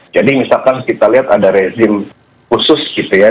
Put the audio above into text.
jadi misalkan kita lihat ada rezim khusus gitu ya